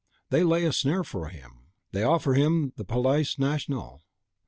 They lay a snare for him; they offer him the Palais National.